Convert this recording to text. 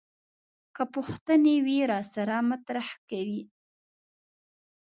که پوښتنې وي راسره مطرح کوي.